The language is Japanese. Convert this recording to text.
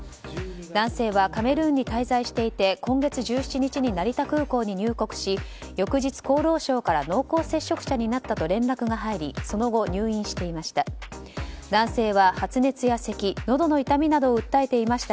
男性はカメルーンに滞在していて今月１７日に成田空港に入国し翌日厚労省から濃厚接触者になったと連絡が入りその後、入院していました。